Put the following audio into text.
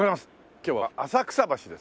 今日は浅草橋です。